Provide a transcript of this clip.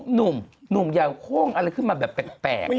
หนุ่มอยากโค้งอะไรขึ้นมาแบบแปลก